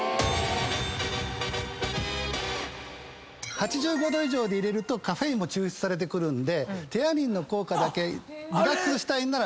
８５℃以上で入れるとカフェインも抽出されてくるんでテアニンの効果だけリラックスしたいんなら低い温度。